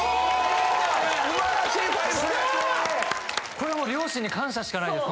これはもう両親に感謝しかないです